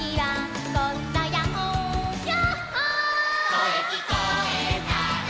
「こえきこえたら」